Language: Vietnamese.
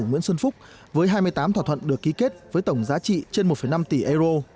nguyễn xuân phúc với hai mươi tám thỏa thuận được ký kết với tổng giá trị trên một năm tỷ euro